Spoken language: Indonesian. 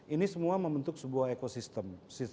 ini semua membentuk sebuah ekosistem